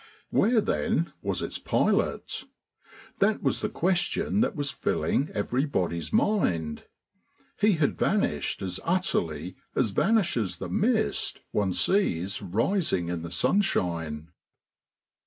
Where, then, was its pilot? That was the question that was filling everybody's mind. He had vanished as utterly as vanishes the mist one sees rising in the sunshine.